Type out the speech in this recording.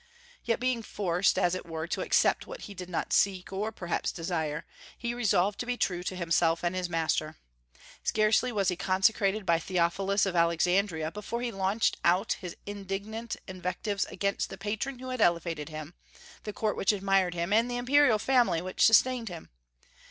Yet being forced, as it were, to accept what he did not seek or perhaps desire, he resolved to be true to himself and his master. Scarcely was he consecrated by Theophilus of Alexandria before he launched out his indignant invectives against the patron who had elevated him, the court which admired him, and the imperial family which sustained him.